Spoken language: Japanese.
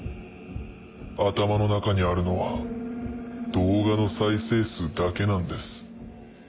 頭の中にあるのは動画の再生数だけなんです。